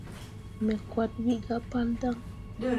Me koot wi gah pal daŋ.